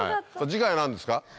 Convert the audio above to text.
次回は何ですか？